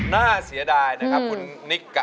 น่าเสียดายนะครับคุณนิกกับ